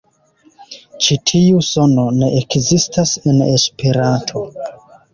Ĉi tiu sono ne ekzistas en Esperanto.